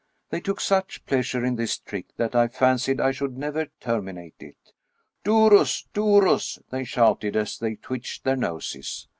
They took such pleasure in this trick that I fancied I should never terminate it. " Dour as! douros!*'^ they shouted, as they twitched their noses.